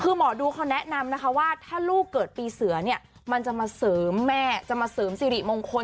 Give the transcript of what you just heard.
คือหมอดูเขาแนะนำนะคะว่าถ้าลูกเกิดปีเสือเนี่ยมันจะมาเสริมแม่จะมาเสริมสิริมงคล